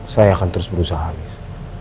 saya akan terus berusaha habis